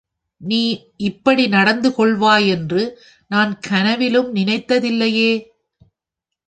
நீ இப்படி நடந்து கொள்வாயென்று நான் கனவிலும் நினைத்ததில்லையே.